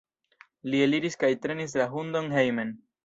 Li eliris kaj trenis la hundon hejmen.